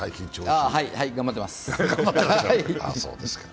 はい、頑張ってます。